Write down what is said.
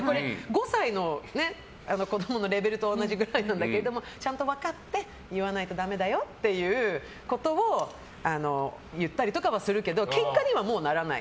５歳の子供のレベルと同じくらいなんだけどちゃんと分かって言わないとダメだよっていうことを言ったりとかはするけどケンカにはもうならない。